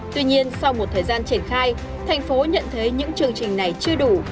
tuy nhiên sau một thời gian triển khai thành phố nhận thấy những chương trình này chưa đủ